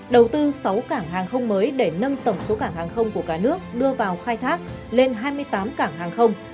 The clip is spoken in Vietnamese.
đầu tư sáu cảng hàng không mới để nâng tổng số cảng hàng không của cả nước đưa vào khai thác lên hai mươi tám cảng hàng không